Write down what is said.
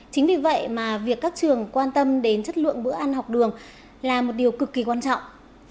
chính vì vậy mà việc các trường quan tâm đến chất lượng bữa ăn học đường là một điều cực kỳ quan trọng